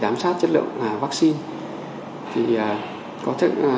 giám sát toàn bộ quá trìnhi học nghiệp